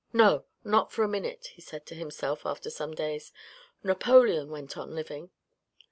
No, not for a minute," he said to himself after some days, " Napoleon went on living."